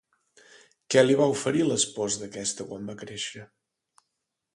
Què li va oferir l'espòs d'aquesta quan va créixer?